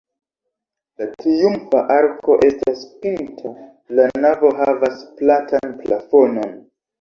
La triumfa arko estas pinta, la navo havas platan plafonon.